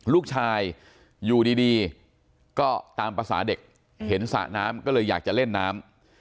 ลูกชายอยู่ดีก็ตามภาษาเด็กเห็นสระน้ำก็เลยอยากจะเล่นน้ำ